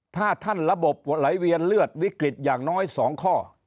ถ้าท่านระบบไหลเวียนเลือดวิกฤตอย่างน้อย๒ข้อ